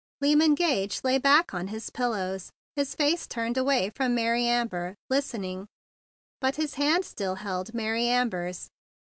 Lyman Gage lay back on his pillows, his face turned away from Mary Amber, listening; but his hand still held Mary Amber's.